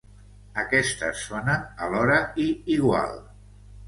Aquestes sonen alhora i igual.